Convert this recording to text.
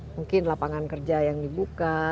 mungkin lapangan kerja yang dibuka